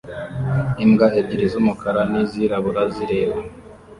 Imbwa ebyiri z'umukara n'izirabura zireba